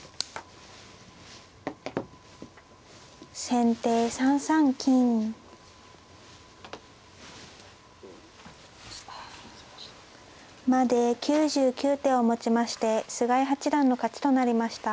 先手３三金。まで９９手をもちまして菅井八段の勝ちとなりました。